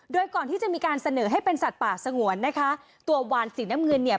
โดยก่อนที่จะมีการเสนอให้เป็นสัตว์ป่าสงวนนะคะตัววานสีน้ำเงินเนี่ย